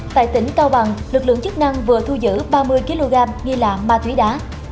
tại tỉnh cao bằng lực lượng chức năng vừa thu giữ ba mươi kg nghi là ma túy đá